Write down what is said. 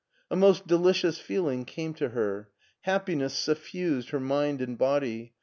A most delicious feeling came to her. Happiness suffused her mind and body.